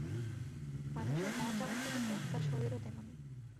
মানুষের মন যেমন বিচিত্র, তার শরীরও তেমনি।